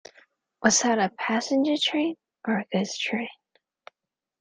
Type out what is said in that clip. Was that a passenger train or a goods train?